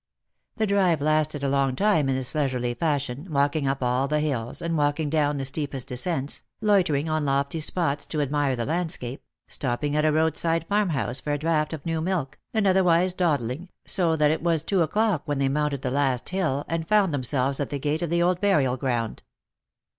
The drive lasted a long time in this leisurely fashion, walking up all the hills, and walking down the steepest descents, loitering on lofty spots to admire the landscape, stopping at a roadside farmhouse for a draught of new milk, and otherwise dawdling, so that it was two o'clock when they mounted the las thill, and found themselves at the gate of the old burial ground.